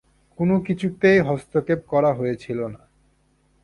কোনো কিছুতেই হস্তক্ষেপ করা হয়েছিল না।